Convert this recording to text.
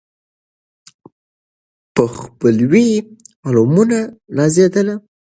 په خپلوي یې عالمونه نازېدله